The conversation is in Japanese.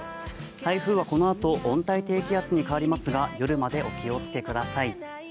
台風はこのあと温帯低気圧に変わりますが、夜までお気をつけください。